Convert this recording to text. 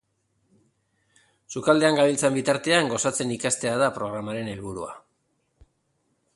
Sukaldean gabiltzan bitartean gozatzen ikastea da programaren helburua.